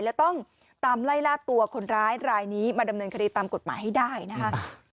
และต้องตามไล่ล่าตัวคนร้ายรายนี้มาดำเนินคดีตามกฎหมายให้ได้นะคะ